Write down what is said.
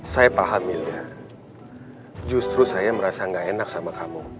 saya pahaminnya justru saya merasa gak enak sama kamu